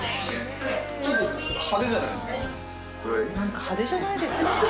ちょっと派手じゃないですか。